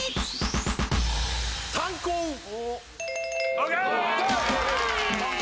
ＯＫ